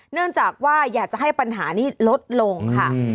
เนื่องจากว่าอยากจะให้ปัญหานี้ลดลงค่ะ